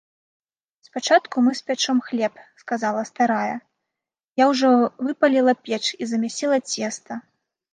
- Спачатку мы спячом хлеб, - сказала старая, - я ўжо выпаліла печ і замясіла цеста